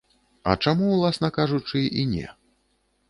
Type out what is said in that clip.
А чаму, уласна кажучы, і не?